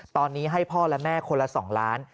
ตอนนี้ให้พ่อและแม่คนละ๒ล้าน